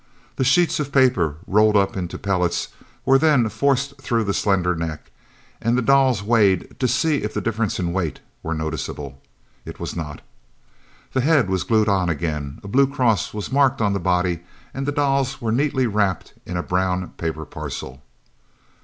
The sheets of paper, rolled up into pellets, were then forced through the slender neck, and the dolls weighed to see if the difference in weight were noticeable. It was not. The head was glued on again, a blue cross was marked on the body, and the dolls were neatly wrapped in a brown paper parcel.